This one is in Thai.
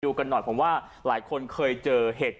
ต้องดูกันหน่อยผมว่าหลายคนเคยเจอ